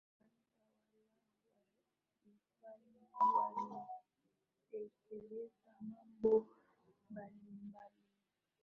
watawala wa kifalme walitekeleza mambo mbalimbali